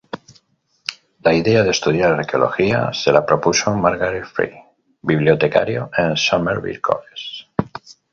La idea de estudiar Arqueología se la propuso Margery Fry, bibliotecario en Somerville College.